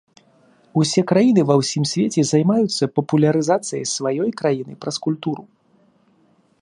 Усе краіны ва ўсім свеце займаюцца папулярызацыяй сваёй краіны праз культуру.